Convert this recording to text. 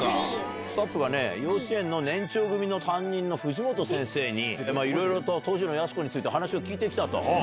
スタッフがね、幼稚園の年長組の担任の藤本先生に、いろいろと当時のやす子について、話を聞いてきたと。